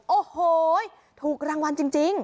โอ้โหถูกรางวัลจริง